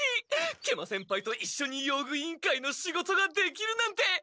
食満先輩といっしょに用具委員会の仕事ができるなんて！